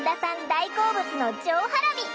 大好物の上ハラミ。